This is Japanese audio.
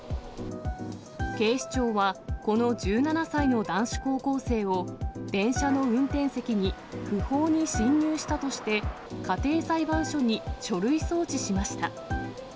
警視庁は、この１７歳の男子高校生を、電車の運転席に不法に侵入したとして、家庭裁判所に書類送致しました。